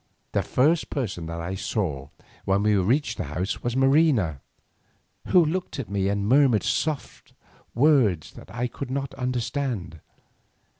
The first person that I saw when we reached the house was Marina, who looked at me and murmured some soft words that I could not understand.